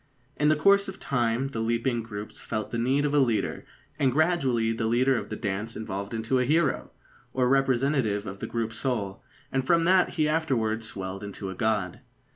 In the course of time the leaping groups felt the need of a leader, and gradually the leader of the dance evolved into a hero, or representative of the group soul, and from that he afterwards swelled into a god.